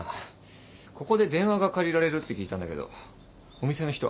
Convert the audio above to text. ここで電話が借りられるって聞いたんだけどお店の人は？